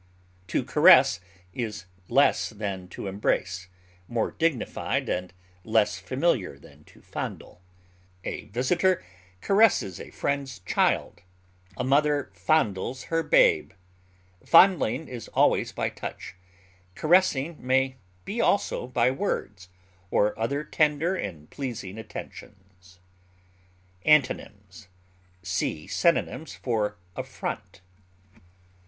To caress is less than to embrace; more dignified and less familiar than to fondle. A visitor caresses a friend's child; a mother fondles her babe. Fondling is always by touch; caressing may be also by words, or other tender and pleasing attentions. Antonyms: See synonyms for AFFRONT.